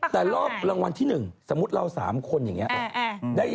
แต่รอบรางวัลที่๑สมมุติเรา๓คนอย่างนี้